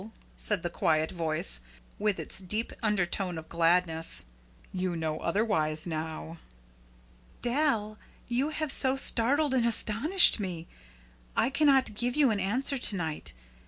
said the quiet voice, with its deep undertone of gladness. "You know otherwise now." "Dal you have so startled and astonished me. I cannot give you an answer to night.